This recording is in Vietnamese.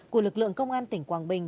của lực lượng công an tỉnh quảng bình